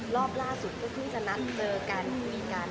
รอบล่าสุดก็พี่จะนัดเจอกันคุยกัน